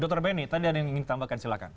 dr benny tadi ada yang ingin ditambahkan silahkan